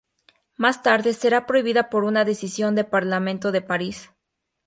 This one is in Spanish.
Más tarde será prohibida por una decisión del Parlamento de París.